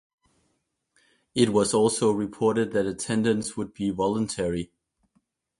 It was also reported that attendance would be voluntary.